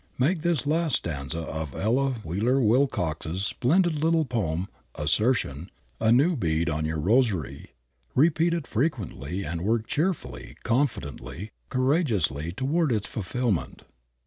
Make this last stanza of Ella Wheeler Wilcox's splendid little poem "Assertion" a new bead on your rosary. Repeat it frequently, and work cheerfully, confidently, courageously toward its fulfillment.